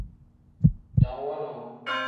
Dam wonoo.